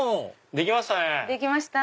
できました！